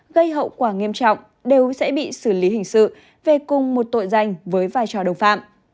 gây hậu quả nghiêm trọng đều sẽ bị xử lý hình sự về cùng một tội danh với vai trò đồng phạm